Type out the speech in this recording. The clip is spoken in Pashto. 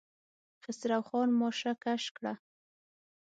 خسرو خان ماشه کش کړه.